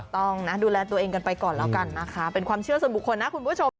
ต้องดูแลตัวเองกันไปก่อนแล้วกันเป็นความเชื่อสมบูรณ์คุณผู้ชม